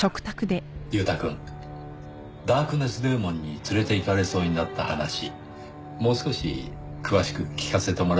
裕太くんダークネスデーモンに連れていかれそうになった話もう少し詳しく聞かせてもらえるかな？